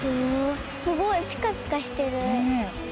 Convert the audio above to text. すごいピカピカしてる。